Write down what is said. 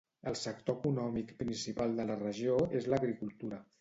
El sector econòmic principal de la regió és l'agricultura.